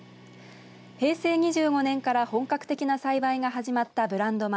平成２５年から本格的な栽培が始まったブランド米